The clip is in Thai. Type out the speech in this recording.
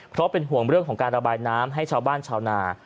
เพราะเป็นห่วงเรื่องของการระบายน้ำให้ชาวบ้านชาวนา